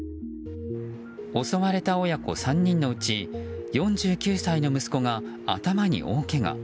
襲われた親子３人のうち４９歳の息子が頭に大けが。